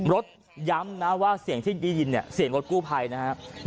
รถย้ำนะว่าเสียงที่ได้ยินเนี่ยเสียงรถกู้ภัยนะครับ